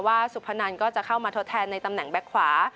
สุพนันก็จะเข้ามาทดแทนในตำแหน่งแก๊กขวา